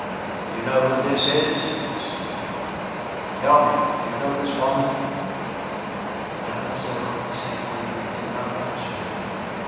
"Do you know who this is?" he said. "Tell me, do you know this woman?" Mademoiselle de St. Gré did not answer him.